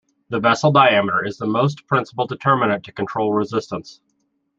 The vessel diameter is the most principal determinant to control resistance.